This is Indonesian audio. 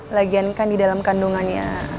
lagian kan di dalam kandungannya